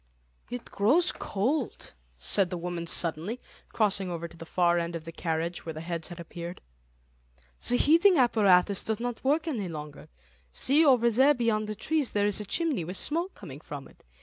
"It grows cold," said the woman suddenly, crossing over to the far end of the carriage, where the heads had appeared. "The heating apparatus does not work any longer. See, over there beyond the trees, there is a chimney with smoke coming from it.